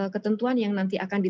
yang tergolong dari kebanyakan bidang